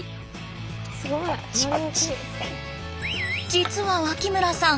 実は脇村さん